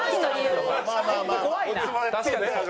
怖いなあ。